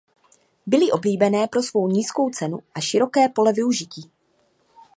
Byly oblíbené pro svou nízkou cenu a široké pole využití.